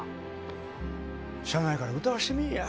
しゃあないから歌わしてみいや。